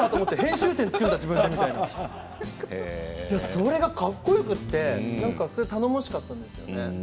それがかっこよくて頼もしかったんですよね。